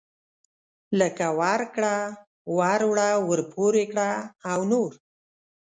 لکه ورکړه وروړه ورپورې کړه او نور.